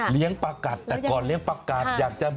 เลี้ยงประกัดแต่ก่อนเลี้ยงประกัดอยากจะแบบ